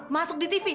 masuk di tv